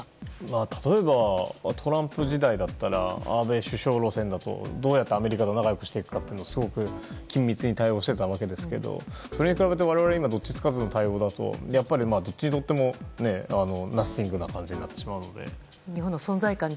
例えばトランプさんの時代の安倍首相路線だと、どうやってアメリカと仲良くしていくか緊密に対応していましたがそれに比べて我々もどっちつかずの対応だとどっちにとっても日本の存在感がナッシングな感じになってしまうので。